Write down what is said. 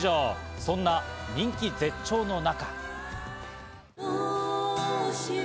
そんな人気絶頂の中。